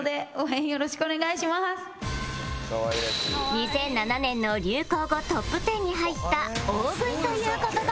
２００７年の流行語トップ１０に入った「大食い」という言葉